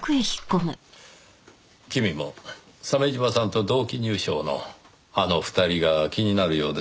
君も鮫島さんと同期入省のあの２人が気になるようですねぇ。